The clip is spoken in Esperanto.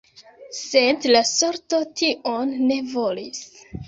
Sed la sorto tion ne volis.